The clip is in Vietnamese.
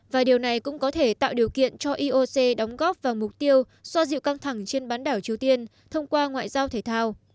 và điều này cũng có thể tạo điều kiện cho ioc đóng góp vào mục tiêu xoa dịu căng thẳng trên bán đảo triều tiên thông qua ngoại giao thể thao